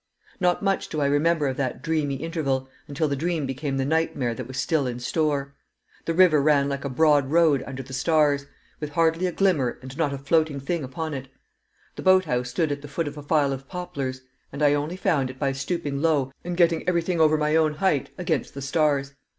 Not much do I remember of that dreamy interval, until the dream became the nightmare that was still in store. The river ran like a broad road under the stars, with hardly a glimmer and not a floating thing upon it. The boathouse stood at the foot of a file of poplars, and I only found it by stooping low and getting everything over my own height against the stars.